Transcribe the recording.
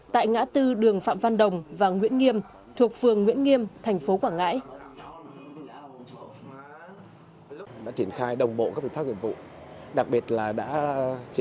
tại ngã tư đường phạm văn đồng và nguyễn nghiêm thuộc phường nguyễn nghiêm thành phố quảng ngãi